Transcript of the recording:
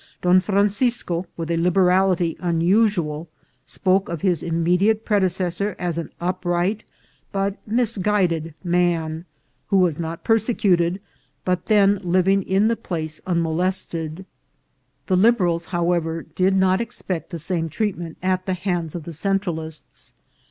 Don Fran cisco, with a liberality unusual, spoke of his immediate predecessor as an upright but misguided man, who was not persecuted, but then living in the place unmolested. A RICH PROPRIETOR. 379 The Liberals, however, did not expect the same treat ment at the hands of the Centralists.